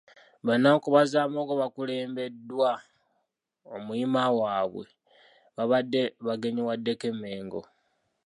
Bannankobazambogo bakulembeddwamu omuyima waabwe bwe baabadde bagenyiwaddeko e Mmengo.